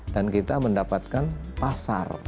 dan kita mendapatkan pasar